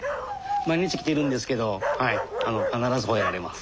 毎日来てるんですけどはい必ずほえられます。